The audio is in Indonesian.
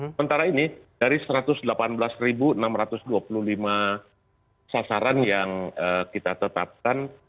sementara ini dari satu ratus delapan belas enam ratus dua puluh lima sasaran yang kita tetapkan